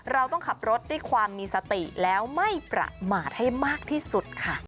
เราต้องขับรถด้วยความมีสติแล้วไม่ประมาทให้มากที่สุดค่ะ